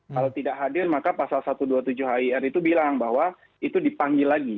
kalau tidak hadir maka pasal satu ratus dua puluh tujuh hir itu bilang bahwa itu dipanggil lagi